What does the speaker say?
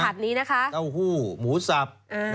เต้าหู้หมูสับ